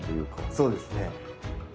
そうですね。